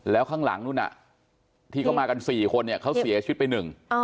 แล้วข้างหลังนู้นที่เขามากัน๔คนเนี่ยเขาเสียชีวิตไปหนึ่ง